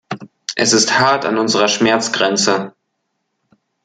Es ist hart an unserer Schmerzgrenze.